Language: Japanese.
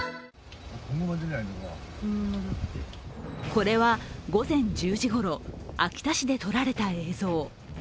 これは午前１０時ごろ、秋田市で撮られた映像。